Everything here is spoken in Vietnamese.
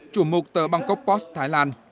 chủ mục tờ bangkok post thái lan